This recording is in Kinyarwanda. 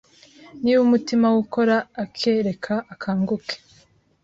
Niba umutima we ukora ake Reka akanguke